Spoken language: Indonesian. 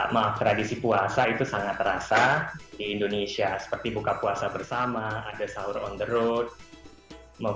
maaf tradisi puasa itu sangat terasa di indonesia seperti buka puasa bersama ada sahur on the road